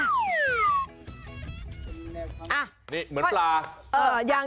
อ่ะนี่เหมือนปลายัง